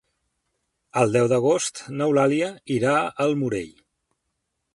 El deu d'agost n'Eulàlia irà al Morell.